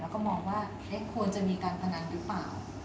แล้วก็มองว่าควรจะมีการพนันหรือเปล่า